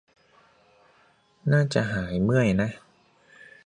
น่าจะหายเมื่อยนะ